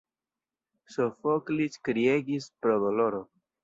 Sofoklis kriegis pro doloro.